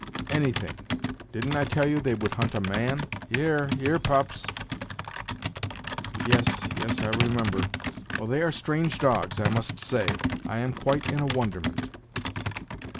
"Anything; didn't I tell you they would hunt a man? He e re, he e re, pups " "Yes, yes, I remember. Well, they are strange dogs, I must say I am quite in a wonderment."